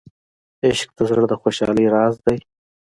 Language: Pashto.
عشق د زړه د خوشحالۍ راز دی.